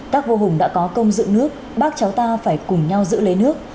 các vua hùng đã có công dựng nước bác cháu ta phải cùng nhau giữ lấy nước